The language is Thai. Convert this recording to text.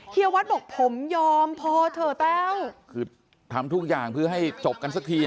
วัดบอกผมยอมพอเถอะแต้วคือทำทุกอย่างเพื่อให้จบกันสักที